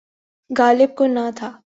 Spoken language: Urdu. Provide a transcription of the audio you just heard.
غالب کو نہ تھا۔